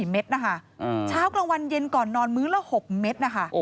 ๒๔เม็ดช้าวกลางวันเย็นก่อนนอนมื้อละ๖เม็ด